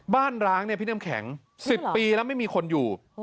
ร้างเนี่ยพี่น้ำแข็ง๑๐ปีแล้วไม่มีคนอยู่